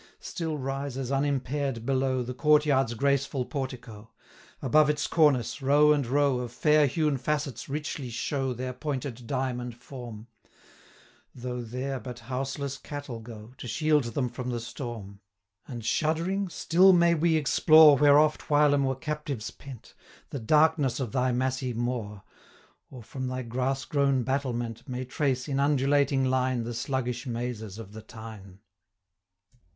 Still rises unimpair'd below, The court yard's graceful portico; Above its cornice, row and row 225 Of fair hewn facets richly show Their pointed diamond form, Though there but houseless cattle go, To shield them from the storm. And, shuddering, still may we explore, 230 Where oft whilom were captives pent, The darkness of thy Massy More; Or, from thy grass grown battlement, May trace, in undulating line, The sluggish mazes of the Tyne.